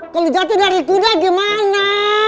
kalau jatuh dari kuda gimana